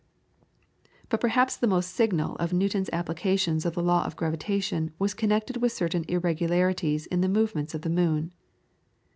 But perhaps the most signal of Newton's applications of the law of gravitation was connected with certain irregularities in the movements of the moon.